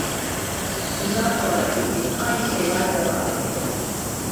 Bundan sonrası için aynı şeyler devam edecek.